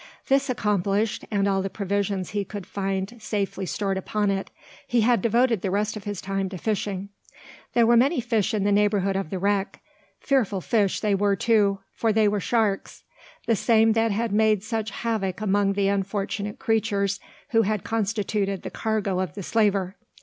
This accomplished, and all the provisions he could find safely stored upon it, he had devoted the rest of his time to fishing. There were many fish in the neighbourhood of the wreck. Fearful fish they were too: for they were sharks: the same that had made such havoc among the unfortunate creatures who had constituted the cargo of the slaver.